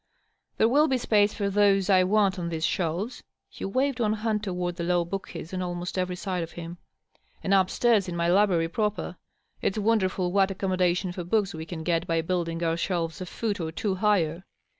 There will be space for those I want on these shelves" (he waved one hand toward the low bookcases on almost every side of him) " and up stairs in my library proper. It's wonderful what accommodation for books we caa get by building our shelves a foot or two higher.